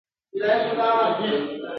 زه چي هر څومره زړيږم حقیقت را څرګندیږي!.